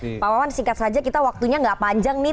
pak wawan singkat saja kita waktunya gak panjang nih